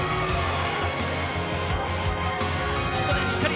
「ここでしっかり。